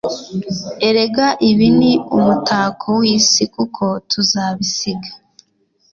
Erega ibi ni umutako w’isi. Kuko tuzabisiga.